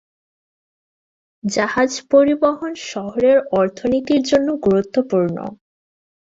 জাহাজ পরিবহন শহরের অর্থনীতির জন্য গুরুত্বপূর্ণ।